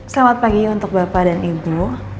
selamat pagi untuk bapak dan ibu